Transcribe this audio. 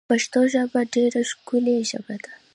پشتو ژبه ډېره ښکولي ژبه ده